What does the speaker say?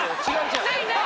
ないない。